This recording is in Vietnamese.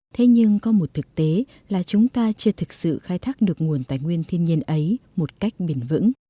thế nhưng có một thực tế là chúng ta chưa thực sự khai thác được nguồn tài nguyên thiên nhiên ấy một cách bền vững